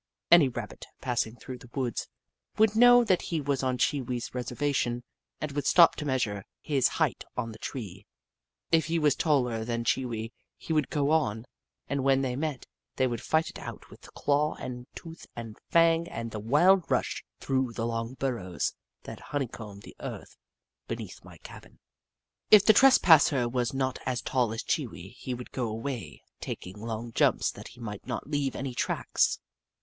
Any Rabbit, passing through the woods, would know that he was on Chee Wee's reservation, and would stop to measure his height on the tree. If he was taller than Chee Wee, he would go on, and when they met, they would fight it out with claw and tooth and fang and the wild rush through the long burrows that honeycombed the earth be neath my cabin. If the trespasser was not as tall as Chee Wee, he would go away, taking long jumps that he might not leave any tracks.